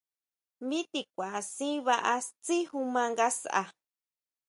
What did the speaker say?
Mi te kʼua sʼí baá tsí ju maa ngasʼa.